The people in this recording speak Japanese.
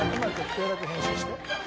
声だけ編集して。